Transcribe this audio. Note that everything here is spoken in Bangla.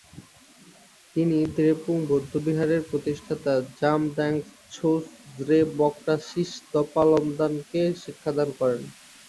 তিনি দ্রেপুং বৌদ্ধবিহারের প্রতিষ্ঠাতা 'জাম-দ্ব্যাংস-ছোস-র্জে-ব্ক্রা-শিস-দ্পাল-ল্দানকে শিক্ষাদান করেন।